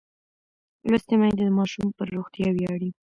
لوستې میندې د ماشوم پر روغتیا ویاړي.